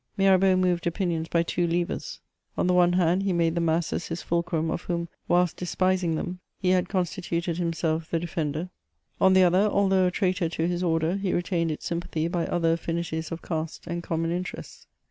Mirabeau moved opinions by two levers ; on the one hand, he made the masses his fulcrum, of whom, whilst despising them, he had constituted himself the defender ; on the other, although a traitor to his order, he retained its sympathy by other affinities of caste and common interests.